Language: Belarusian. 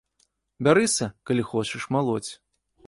Бярыся, калі хочаш, малоць.